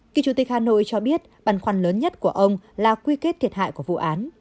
kỳ chủ tịch hà nội cho biết băn khoăn lớn nhất của ông là quy kết thiệt hại của vụ án